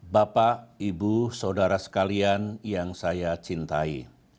bapak ibu saudara sekalian yang saya cintai